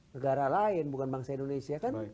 negara lain bukan bangsa indonesia kan